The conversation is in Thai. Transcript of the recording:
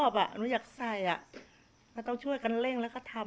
ปากเก่งอย่างไรครับ